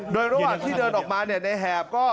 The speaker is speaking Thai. โดยรวดที่เดินออกมาเนี่ยในแหบก็